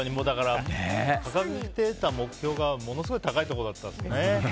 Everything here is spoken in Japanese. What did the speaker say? だから、掲げてた目標がものすごい高いところだったんですね。